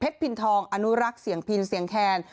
พินทองอนุรักษ์เสียงพินเสียงแคน